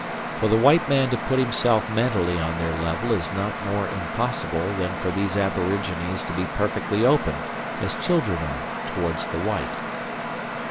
For the white man to put himself mentally on their level is not more impossible than for these aborigines to be perfectly open, as children are, towards the white.